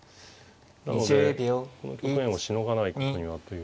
なのでこの局面をしのがないことにはという。